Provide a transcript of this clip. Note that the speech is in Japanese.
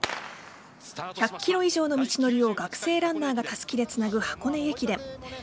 １００ｋｍ以上の道のりを学生ランナーがたすきでつなぐ箱根駅伝。